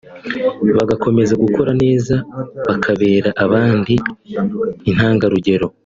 bagakomeza gukora neza bakabera abandi intangarugero